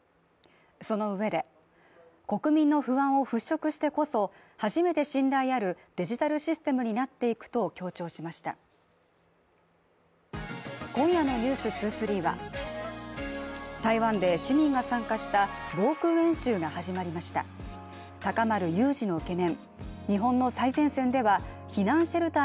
そのうえで国民の不安を払拭してこそ初めて信頼あるデジタルシステムになっていくと強調しました今夜の「ｎｅｗｓ２３」は台湾で市民が参加した防空演習が始まりました高まる有事の懸念